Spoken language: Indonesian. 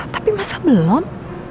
tapi masa belum